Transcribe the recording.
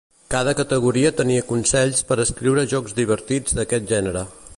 Cada categoria tenia consells per escriure jocs divertits d'aquest gènere.